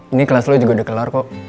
ini kelas lo juga udah kelar kok